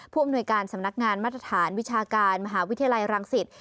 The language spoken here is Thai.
อำนวยการสำนักงานมาตรฐานวิชาการมหาวิทยาลัยรังสิต